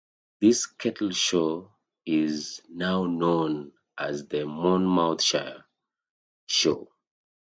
This cattle show is now known as the Monmouthshire Show.